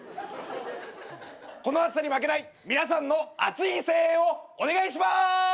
この暑さに負けない皆さんの熱い声援をお願いします！